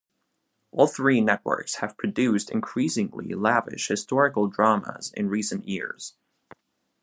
All three networks have produced increasingly lavish historical dramas in recent years.